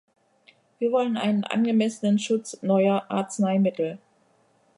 Wir wollen einen angemessenen Schutz neuer Arzneimittel.